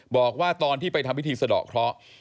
บอกว่าตอนที่ไปทำพิธีสะดอกเคราะห์